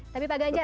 tapi pak ganjar